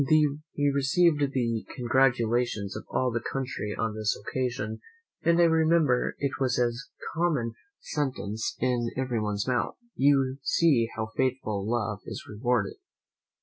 They received the congratulations of all the country on this occasion; and I remember it was a common sentence in everyone's mouth, "You see how faithful love is rewarded."